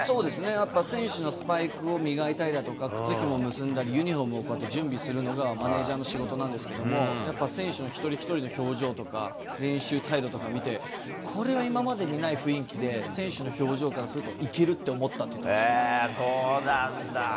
やっぱ選手のスパイクを磨いたりだとか、靴ひも結んだり、ユニホームを準備するのがマネージャーの仕事なんですけれども、やっぱ選手の一人一人の表情とか、練習態度とか見て、これは今までにない雰囲気で、選手の表情からすると、いけると思ったって言っそうなんだ。